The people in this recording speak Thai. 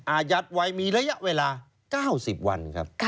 อายัดไว้มีระยะเวลา๙๐วันครับ